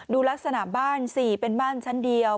ดูลักษณะบ้านสิเป็นบ้านชั้นเดียว